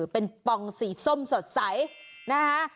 เป็นปองสีส้มสดใสนะคะ